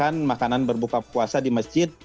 dan juga diberikan makanan berbuka puasa di masjid